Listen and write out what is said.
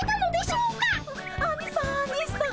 アニさんアニさん！